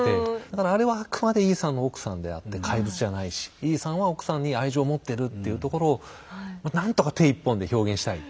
だからあれはあくまでイーサンの奥さんであって怪物じゃないしイーサンは奥さんに愛情を持ってるっていうところをまあ何とか手１本で表現したい。